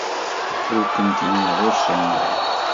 Ur kent-yenɣi usemmiḍ.